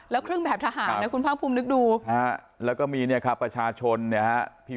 แล้วเครื่องแบบทหารนะคุณภาคภูมินึกดูแล้วก็มีเนี่ยครับประชาชนเนี่ยฮะที่